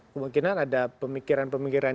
kemungkinan ada pemikiran pemikiran